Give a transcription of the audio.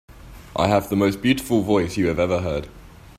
I have the most beautiful voice you have ever heard.